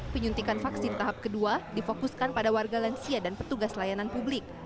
penyuntikan vaksin tahap kedua difokuskan pada warga lansia dan petugas layanan publik